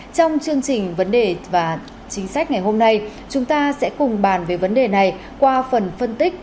trong chương trình vấn đề và chính sách ngày hôm nay chúng ta sẽ cùng bàn về vấn đề này qua phần phân tích